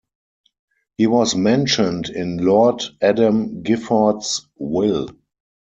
He was mentioned in Lord Adam Gifford's will.